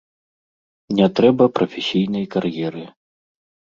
Не трэба прафесійнай кар'еры.